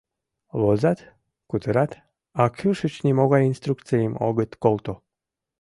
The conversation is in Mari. Возат, кутырат, а кӱшыч нимогай инструкцийым огыт колто.